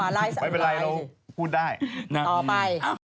ไม่เป็นไรเราพูดได้ต่อไป